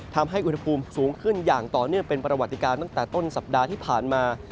ทำให้อุณหภูมิสูงขึ้นอย่างต่อเนื่องเป็นประวัติการตั้งแต่ต้นสัปดาห์ที่ผ่านมา